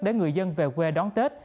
để người dân về quê mình đón tết